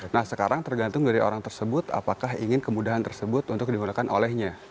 nah sekarang tergantung dari orang tersebut apakah ingin kemudahan tersebut untuk digunakan olehnya